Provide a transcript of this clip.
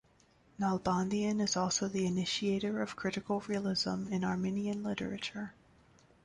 Nalbandian is also the initiator of critical realism in Armenian literature.